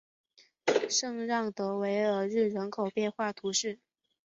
圣让德韦尔日人口变化图示